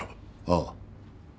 ああ。